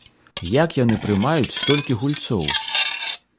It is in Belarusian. Як яны прымаюць столькі гульцоў?